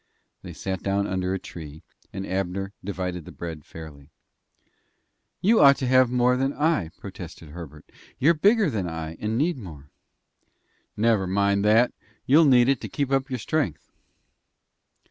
They sat down under a tree, and Abner divided the bread fairly. "You ought to have more than I," protested Herbert. "You're bigger than I, and need more." "Never mind that! You'll need it to keep up your strength."